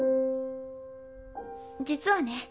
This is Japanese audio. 実はね